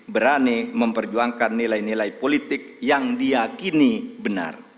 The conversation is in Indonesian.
berani memperjuangkan nilai nilai politik yang diakini benar